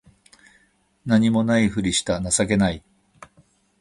何も無いふりした情けない